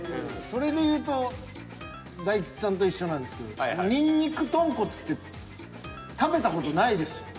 それで言うと大吉さんと一緒なんですけどにんにく豚骨って食べた事ないですよ。